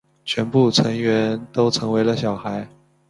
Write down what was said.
全部成员都成为了小孩。